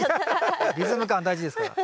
リズム感大事ですから。